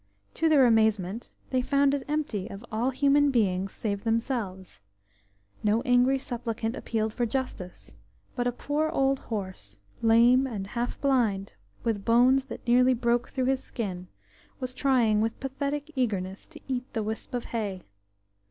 To their amazement they found it empty of all human beings save themselves; no angry supplicant appealed for justice, but a poor old horse, lame and half blind, with bones that nearly broke through his skin, was trying with pathetic eagerness to eat the wisp of hay.